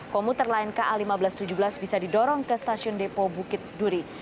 komuter lain ka lima belas tujuh belas bisa didorong ke stasiun depo bukit duri